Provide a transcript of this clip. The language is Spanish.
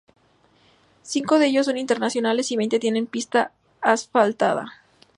Cinco de ellos son internacionales y veinte tienen pista asfaltada.